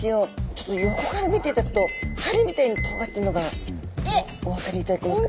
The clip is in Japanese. ちょっと横から見ていただくと針みたいにとがってんのがお分かりいただけますか？